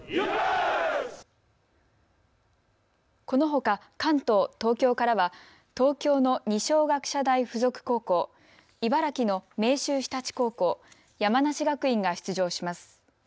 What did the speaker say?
このほか関東・東京からは東京の二松学舎大付属高校、茨城の明秀日立高校山梨学院が出場します。